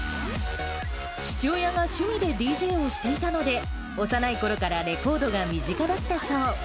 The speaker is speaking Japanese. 父親が趣味でＤＪをしていたので、幼いころからレコードが身近だったそう。